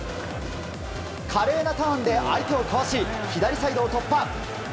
華麗なターンで相手をかわし左サイドを突破。